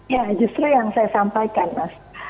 ya justru yang saya sampaikan mas